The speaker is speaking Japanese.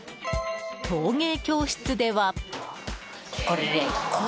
陶芸教室では。